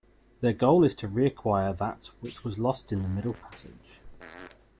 Their goal is to reacquire that which was lost in the Middle Passage.